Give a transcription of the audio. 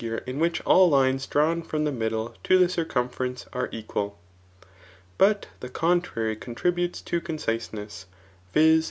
JiS^e in which all lines drawn from the middle to the circum/erence Ofe equal. But the contrary contributes to conciseness, viz.